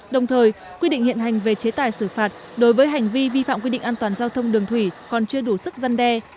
đồng thời quy định hiện hành về chế tài xử phạt đối với hành vi vi phạm quy định an toàn giao thông đường thủy còn chưa đủ sức gian đe